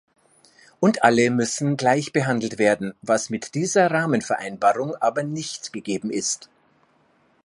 Und alle müssen gleichbehandelt werden, was mit dieser Rahmenvereinbarung aber nicht gegeben ist.